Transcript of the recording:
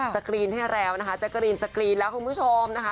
กรีนให้แล้วนะคะแจ๊กกะรีนสกรีนแล้วคุณผู้ชมนะคะ